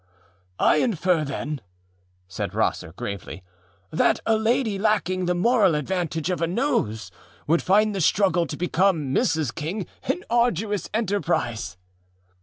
â âI infer, then,â said Rosser, gravely, âthat a lady lacking the moral advantage of a nose would find the struggle to become Mrs. King an arduous enterprise.